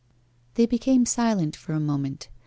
They became silent for a moment.